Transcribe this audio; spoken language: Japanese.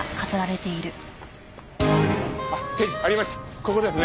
ここですね。